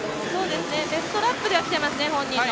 ベストラップではきてますね、本人の。